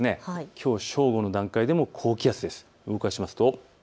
きょう正午の段階でも高気圧です。